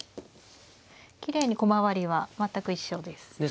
きれいに駒割りは全く一緒です。ですね。